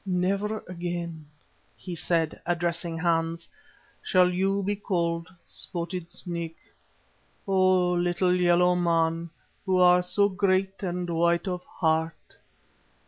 "Never again," he said, addressing Hans, "shall you be called Spotted Snake, O little yellow man who are so great and white of heart.